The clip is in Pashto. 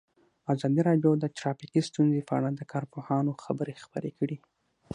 ازادي راډیو د ټرافیکي ستونزې په اړه د کارپوهانو خبرې خپرې کړي.